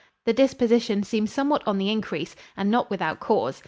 The disposition seems somewhat on the increase, and not without cause.